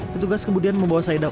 petugas kemudian membawa saida